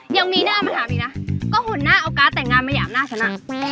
ยังมีหน้ามาถามอีกนะก็หัวหน้าเอาการ์ดแต่งงานมาหยาบหน้าซะนะ